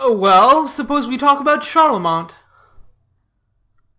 "Well, suppose we talk about Charlemont?"